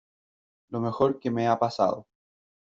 lo mejor que me ha pasado .